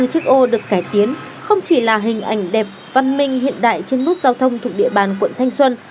hai mươi chiếc ô được cải tiến không chỉ là hình ảnh đẹp văn minh hiện đại trên nút giao thông thuộc địa bàn quận thanh xuân